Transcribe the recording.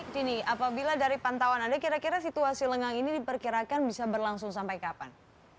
dini apabila dari pantauan anda kira kira situasi lengang ini diperkirakan bisa berlangsung sampai kapan